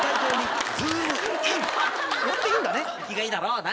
生きがいいだろ。